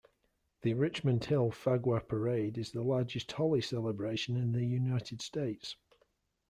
The Richmond Hill Phagwah Parade is the largest Holi celebration in the United States.